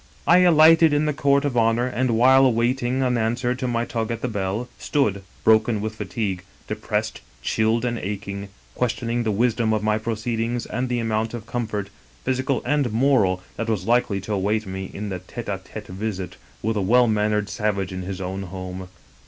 " I alighted in the court of honor, and while awaiting an answer to my tug at the bell, stood, broken with fatigue, depi^essed, chilled and aching, questioning the wisdom of my proceedings and the amount of comfort, physical and moral, that was likely to await me in a tete d tete visit with a well mannered savage in his own home.